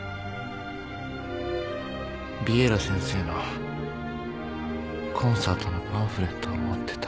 ヴィエラ先生のコンサートのパンフレットを持ってた。